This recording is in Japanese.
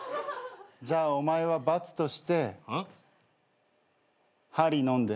じゃあお前は罰として針のんで。